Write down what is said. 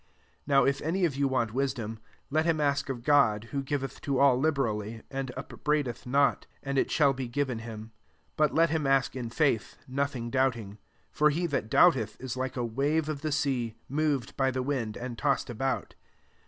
5 Now if any of you want K' idom, let him ask of God, o giveth to all liberally, and bbraideth not ; and it shall be Sren him. 6 But let him ask [lfaith« nothing doubting : for ^ that doubteth is like a wave >f the sea, moved by the wind Lud tossed about.